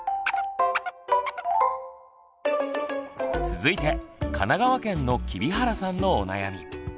続いて神奈川県の黍原さんのお悩み。